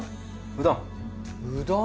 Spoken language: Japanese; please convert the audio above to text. うどん？